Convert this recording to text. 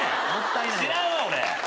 知らんわ俺。